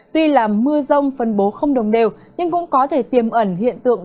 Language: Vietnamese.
tuy là mưa rông phân bố không đồng đều nhưng cũng có thể tiềm ẩn hiện tượng